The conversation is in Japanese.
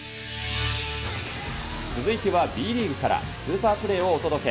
続いてはＢリーグからスーパープレーをお届け。